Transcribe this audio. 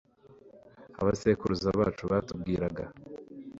abasekuruza bacu batubwiraga